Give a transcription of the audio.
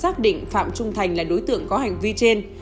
xác định phạm trung thành là đối tượng có hành vi trên